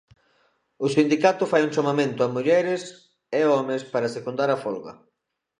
O sindicato fai un chamamento a mulleres e homes para secundar a folga.